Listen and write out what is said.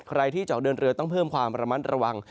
ใครที่จะออกเดินเรือต้องเพิ่มความระมัดระวัง